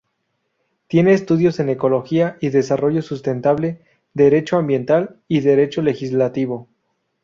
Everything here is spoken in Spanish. Tiene estudios en Ecología y Desarrollo Sustentable, Derecho Ambiental y Derecho Legislativo.